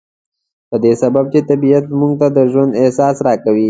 په دې سبب چې طبيعت موږ ته د ژوند احساس را کوي.